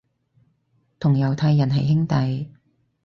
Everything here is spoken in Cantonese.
同猶太人係兄弟